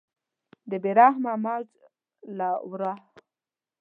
د بې رحمه موج له واره